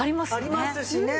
ありますしね。